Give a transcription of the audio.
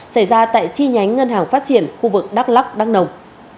xảy ra tại chi nhánh ngân hàng phát triển khu vực đắk lắk đăng nồng